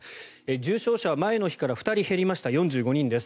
重症者は前の日から２人減って４５人です。